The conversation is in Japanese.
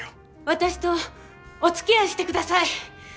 私とおつきあいしてください。